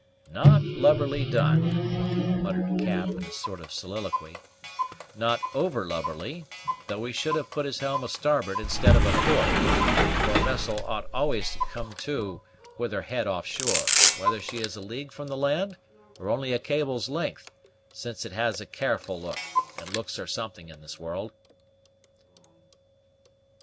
"Not lubberly done," muttered Cap in a sort of soliloquy, "not over lubberly, though he should have put his helm a starboard instead of a port; for a vessel ought always to come to with her head off shore, whether she is a league from the land or only a cable's length, since it has a careful look, and looks are something in this world."